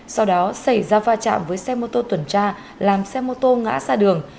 sau đó xảy ra va chạm với xe ô tô tuần tra làm xe ô tô ngã xa đường